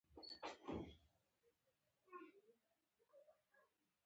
د سفر پر مهال مننه کول مه هېروه.